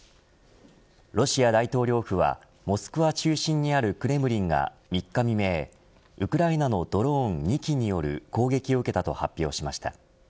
ロシア大統領府はモスクワ中心にあるクレムリンが３日未明、ウクライナのドローン２機による攻撃を受けたと発表しました。